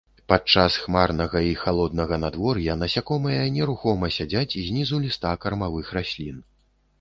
Падчас хмарнага і халоднага надвор'я насякомыя нерухома сядзяць знізу ліста кармавых раслін.